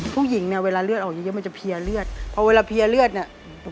ผู้หญิงเนี่ยเวลาเลือดออกเยอะมันจะเพียเลือดพอเวลาเพียเลือดเนี่ย